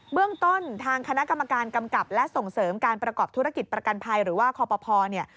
เรื่องต้นทางคณะกรรมการกำกับและส่งเสริมการประกอบธุรกิจประกันภัยหรือว่าคอปภเนี่ย